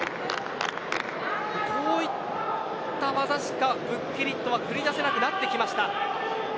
こういった技しかブッケリットは繰り出せなくなってきました。